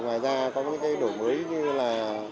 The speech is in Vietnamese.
ngoài ra có những đổi mới như là